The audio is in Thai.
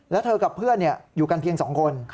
แล้วเธอกับเพื่อนอยู่กันเพียง๒คน